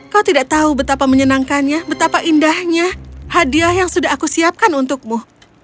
kau tidak tahu betapa menyenangkannya betapa indahnya hadiah yang sudah aku siapkan untukmu